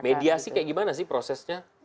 mediasi kayak gimana sih prosesnya